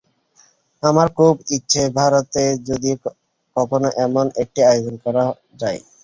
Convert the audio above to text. আমার খুব ইচ্ছে ভারতে যদি কখনো এমন একটি আয়োজন করা যায়।